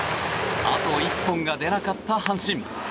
あと一本が出なかった阪神。